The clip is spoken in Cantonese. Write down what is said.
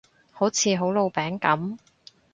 好似好老餅噉